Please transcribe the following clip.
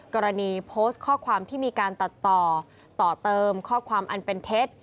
กรณีโพสต์ข้อความที่มีการตัดต่อต่อเติมข้อความอันเป็นเท็จ